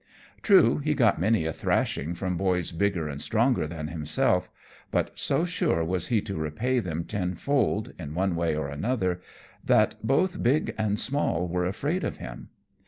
True, he got many a thrashing from boys bigger and stronger than himself; but so sure was he to repay them tenfold, in one way or another, that both big and small were afraid of him.